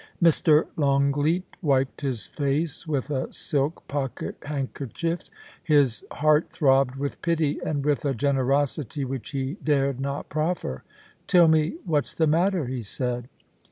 Mr. Longleat wiped his face with a silk pocket handker chief. His heart throbbed with pity, and with a generosity which he dared not proffer. * Tell me what's the matter,' he said.